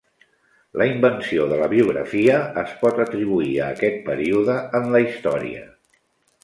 La invenció de la biografia es pot atribuir a aquest període en la història.